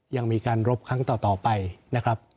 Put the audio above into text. ยังมีการรบครั้งต่อไปนะครับ